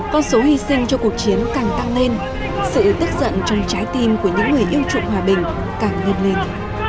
con số hy sinh cho cuộc chiến càng tăng lên sự tức giận trong trái tim của những người yêu trụng hòa bình càng nghiêng lên